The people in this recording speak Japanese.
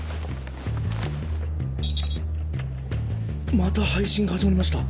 また配信が始まりました。